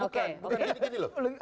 bukan gini loh